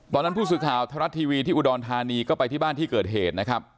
ผู้สื่อข่าวไทยรัฐทีวีที่อุดรธานีก็ไปที่บ้านที่เกิดเหตุนะครับ